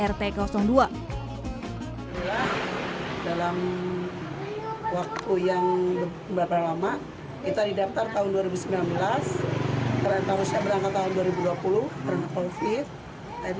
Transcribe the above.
rt dua dalam waktu yang berapa lama kita didaftar tahun dua ribu sembilan belas karena tahun dua ribu dua puluh karena covid